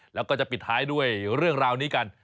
แล้วก็จะปิดท้ายด้วยเรื่องราวนี้กัน